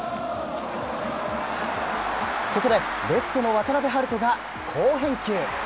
ここでレフトの渡部遼人が好返球。